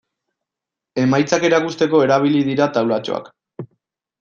Emaitzak erakusteko erabili dira taulatxoak.